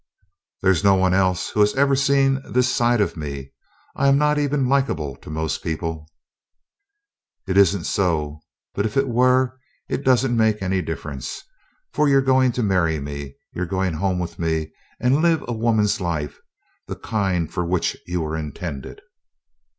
"There's no one else who has ever seen this side of me. I am not even likable to most people." "It isn't so! But if it were, it doesn't make any difference, for you're going to marry me you're going home with me and live a woman's life the kind for which you were intended."